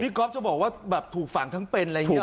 ก๊อฟจะบอกว่าแบบถูกฝังทั้งเป็นอะไรอย่างนี้